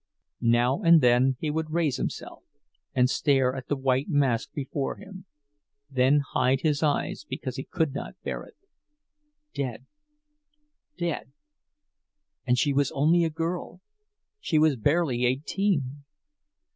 Now and then he would raise himself and stare at the white mask before him, then hide his eyes because he could not bear it. Dead! dead! And she was only a girl, she was barely eighteen!